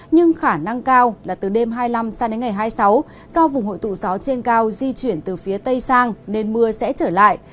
nhưng khả năng cao là từ đêm hai mươi năm sang đến ngày hai mươi sáu do vùng hội tụ gió trên cao di chuyển từ phía tây sang nên mưa sẽ trở lại